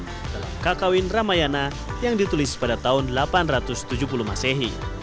dalam kakawin ramayana yang ditulis pada tahun delapan ratus tujuh puluh masehi